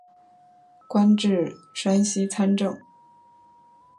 官至山西参政。